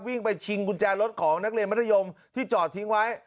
วิ่งไปชิงกุญแจรถของนักเรียนมัธยมที่จอดทิ้งไว้